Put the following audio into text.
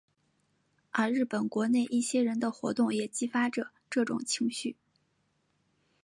而日本国内一些人的活动也激发着这种情绪。